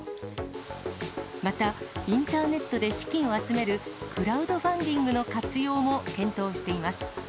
またインターネットで資金を集めるクラウドファンディングの活用も検討しています。